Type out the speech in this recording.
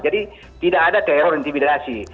jadi tidak ada teror intimidasi